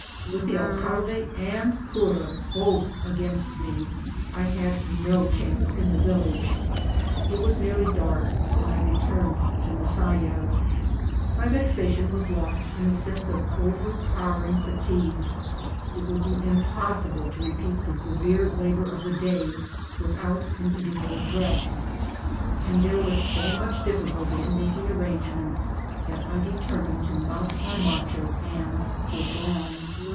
With the alcalde and cura both against me, I had no chance in the village. It was nearly dark, and I re turned to Masaya. My vexation was lost in a sense of overpowering fatigue. It would be impossible to repeat the severe labour of the day without an interval of rest, and tnere was so much difficulty in making arrange ments, that I determined to mount my macho and push on.